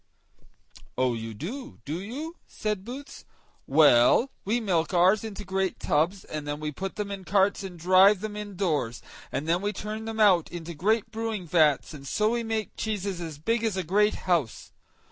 "Oh! you do, do you?" said Boots. "Well, we milk ours into great tubs, and then we put them in carts and drive them indoors, and then we turn them out into great brewing vats, and so we make cheeses as big as a great house.